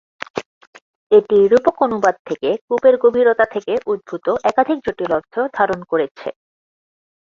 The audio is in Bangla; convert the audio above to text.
এটি রূপক অনুবাদ থেকে "কূপের গভীরতা" থেকে উদ্ভূত একাধিক জটিল অর্থ ধারণ করেছে।